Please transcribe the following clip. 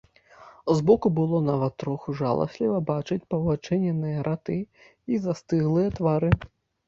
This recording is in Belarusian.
Збоку было нават троху жаласліва бачыць паўадчыненыя раты і застыглыя твары.